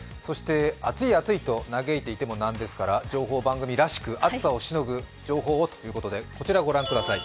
暑い暑いと嘆いていてもなんですから情報番組らしく、暑さをしのぐ情報をということでこちらを御覧ください。